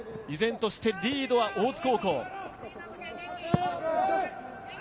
依然としてリードは大津高校。